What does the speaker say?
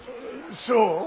そう？